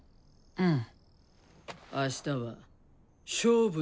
うん！